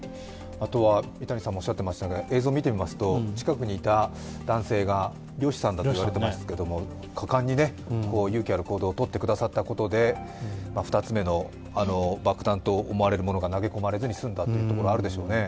あとは三谷さんもおっしゃっていましたが、映像を見てみますと近くにいた男性が漁師さんだと言われていますけれども果敢に勇気ある行動をとってくださったことで２つ目の爆弾と思われるものが投げ込まれずに済んだということがありますね。